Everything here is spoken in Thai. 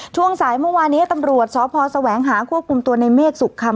ช่วงสายเมื่อวานนี้ตำรวจสพแสวงหาควบคุมตัวในเมฆสุขคำ